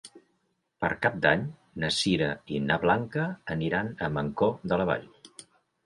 Per Cap d'Any na Sira i na Blanca aniran a Mancor de la Vall.